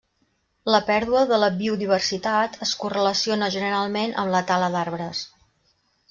La pèrdua de la biodiversitat es correlaciona generalment amb la tala d'arbres.